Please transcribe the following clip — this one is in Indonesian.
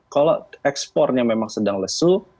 kalau ekspornya memang sedang lesu